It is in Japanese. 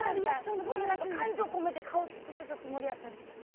すごい感情込めて顔作ってたつもりやったんですけど。